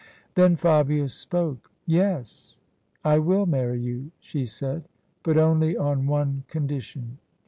Then Fabia spoke. " Yes, I will marry you," she said ;" but only on one condition."